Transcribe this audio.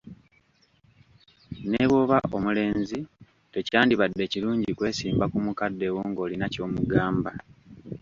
Ne bw'oba omulenzi, tekyandibadde kirungi kwesimba ku mukadde wo ng'olina ky'omugamba.